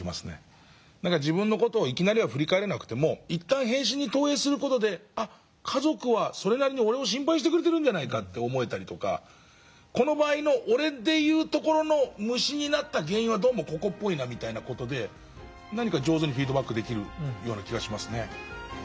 自分の事をいきなりは振り返れなくても一旦「変身」に投影する事で家族はそれなりに俺を心配してくれてるんじゃないかと思えたりとかこの場合の俺で言うところの虫になった原因はどうもここっぽいなみたいな事で何か上手にフィードバックできるような気がしますね。